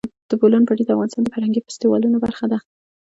د بولان پټي د افغانستان د فرهنګي فستیوالونو برخه ده.